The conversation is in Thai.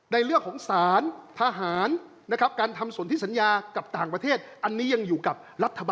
นึกภาพไหมครับ